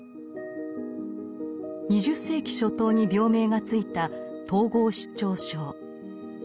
２０世紀初頭に病名が付いた統合失調症。